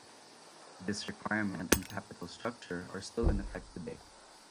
This requirement and capital structure are still in effect today.